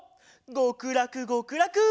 ごくらくごくらく！